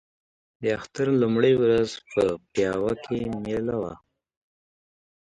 د اختر لومړۍ ورځ په پېوه کې مېله وه.